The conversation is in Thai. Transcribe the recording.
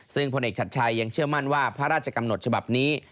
ซึ่งพลเอกชัดชัยยังเชื่อมั่นว่าพระราชกำหนดฉบับนี้